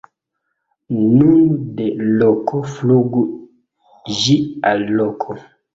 Nun de loko flugu ĝi al loko...